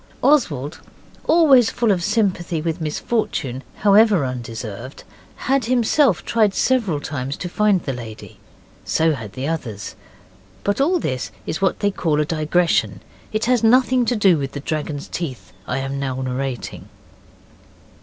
Oswald, always full of sympathy with misfortune, however undeserved, had himself tried several times to find the lady. So had the others. But all this is what they call a digression; it has nothing to do with the dragon's teeth I am now narrating.